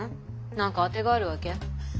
何か当てがあるわけ？